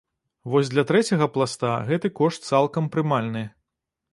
Вось для трэцяга пласта гэты кошт цалкам прымальны.